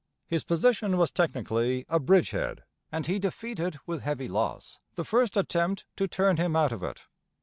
His position was technically a 'bridge head,' and he defeated with heavy loss the first attempt to turn him out of it.